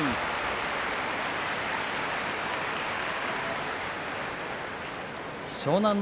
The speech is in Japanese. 拍手湘南乃